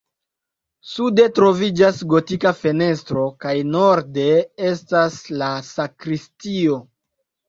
Sude troviĝas gotika fenestro kaj norde estas la sakristio.